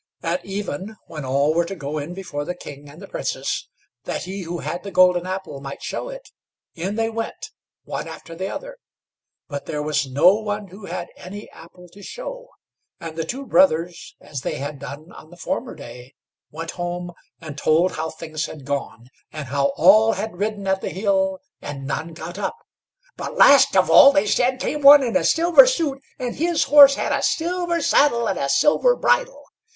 At even, when all were to go in before the king and the Princess, that he who had the golden apple might show it, in they went, one after the other, but there was no one who had any apple to show, and the two brothers, as they had done on the former day, went home and told how things had gone, and how all had ridden at the hill, and none got up. "But, last of all," they said, "came one in a silver suit, and his horse had a silver saddle and a silver bridle.